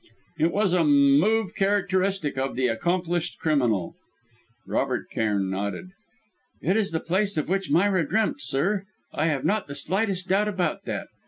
It was a move characteristic of the accomplished criminal." Robert Cairn nodded. "It is the place of which Myra dreamt, sir. I have not the slightest doubt about that.